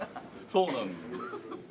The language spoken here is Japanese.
そうなんだよ。